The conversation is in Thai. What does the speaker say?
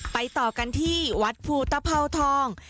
ต่อกันที่วัดภูตภาวทอง